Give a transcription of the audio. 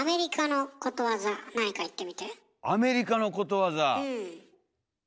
アメリカのことわざ？